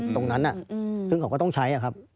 ตรงนั้นน่ะตรงนั้นก็ต้องใช้อะครับ